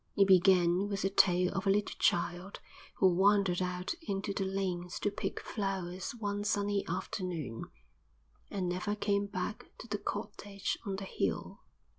It began with the tale of a little child who wandered out into the lanes to pick flowers one sunny afternoon, and never came back to the cottage on the hill.